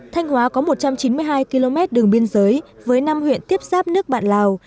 thanh hóa có một trăm chín mươi hai km đường biên giới với năm huyện tiếp giáp nước bạn lào